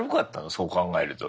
そう考えると。